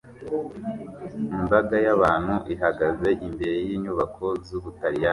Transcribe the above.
Imbaga y'abantu ihagaze imbere yinyubako zubutaliyani